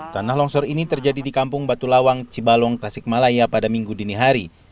tanah longsor ini terjadi di kampung batu lawang cibalong tasikmalaya pada minggu dini hari